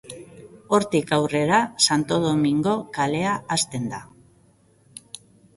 Hortik aurrera Santo Domingo kalea hasten da.